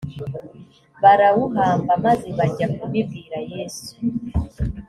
barawuhamba maze bajya kubibwira yesu